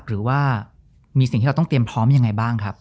หรือว่ามีสิ่งที่เราต้องเตรียมพร้อมยังไงบ้างครับ